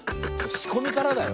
しこみからだよ。